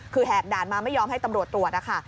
คือแหกด่านมาไม่ยอมให้ตำรวจตรวจนะคะ